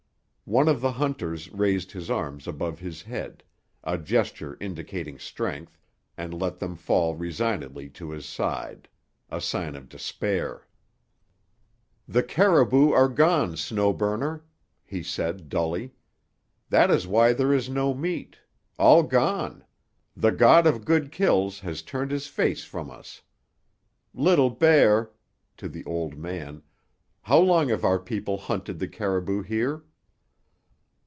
One of the hunters raised his arms above his head, a gesture indicating strength, and let them fall resignedly to his side, a sign of despair. "The caribou are gone, Snow Burner," he said dully. "That is why there is no meat. All gone. The god of good kills has turned his face from us. Little Bear—" to the old man—"how long have our people hunted the caribou here?"